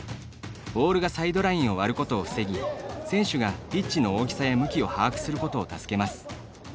ボールがサイドラインを割ることを防ぎ選手がピッチの大きさや向きを把握することを助けます。